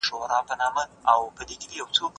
زه مخکي خبري کړې وې!؟